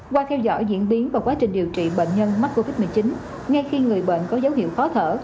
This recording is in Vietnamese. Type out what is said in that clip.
qua theo dõi diễn biến và quá trình điều trị bệnh nhân mắc covid một mươi chín ngay khi người bệnh có dấu hiệu khó thở